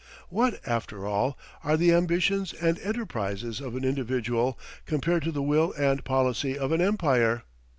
What, after all, are the ambitions and enterprises of an individual, compared to the will and policy of an empire?